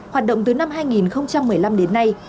hoạt động từ năm hai nghìn một mươi năm đến nay